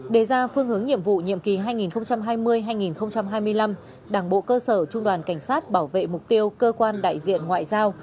đề ra phương hướng nhiệm vụ nhiệm kỳ hai nghìn hai mươi hai nghìn hai mươi năm đảng bộ cơ sở trung đoàn cảnh sát bảo vệ mục tiêu cơ quan đại diện ngoại giao